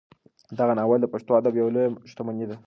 دغه ناول د پښتو ادب یوه لویه شتمني ده.